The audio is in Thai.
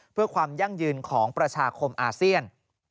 เพื่อความยั่งยืนของประชาคมอาเซียน